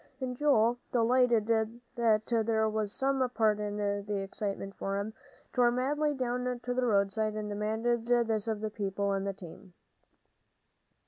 And Joel, delighted that there was some part in the excitement for him, tore madly down to the roadside and demanded this of the people in the team.